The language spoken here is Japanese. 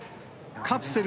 カプセル